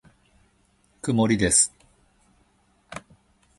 曇りです。